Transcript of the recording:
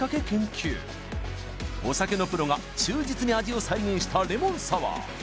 研究お酒のプロが忠実に味を再現したレモンサワー